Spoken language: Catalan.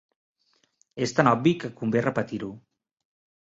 És tan obvi que convé repetir-ho.